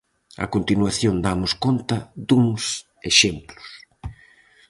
A continuación damos conta duns exemplos: